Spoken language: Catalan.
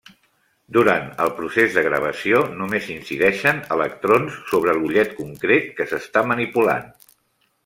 Durant el procés de gravació només incideixen electrons sobre l'ullet concret que s'està manipulant.